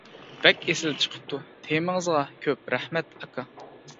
بەك ئېسىل چىقىپتۇ، تېمىڭىزغا كۆپ رەھمەت ئاكا.